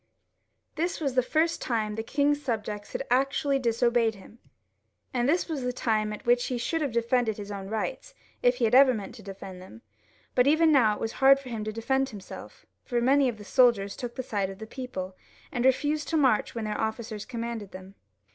This was the first time the king's subjects had actually disobeyed him, and this was the time at which he should have defended his own rights, if he ever meant to defend them ; but even now it was hard for him to defend himself, for many of the soldiers took the side of the people, and refused to march when their officers commanded them.